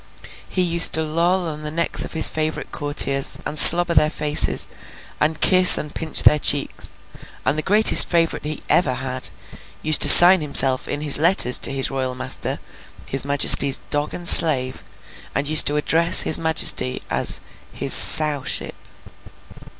He used to loll on the necks of his favourite courtiers, and slobber their faces, and kiss and pinch their cheeks; and the greatest favourite he ever had, used to sign himself in his letters to his royal master, His Majesty's 'dog and slave,' and used to address his majesty as 'his Sowship.